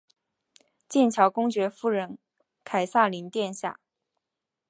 剑桥公爵夫人凯萨琳殿下。